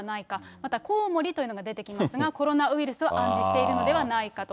またコウモリというのが出てきますが、コロナウイルスを暗示しているのではないかと。